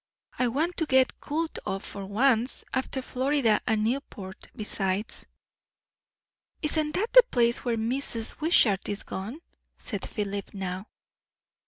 I want to get cooled off, for once, after Florida and Newport, besides." "Isn't that the place where Mrs. Wishart is gone," said Philip now.